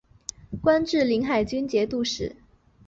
官至临海军节度使。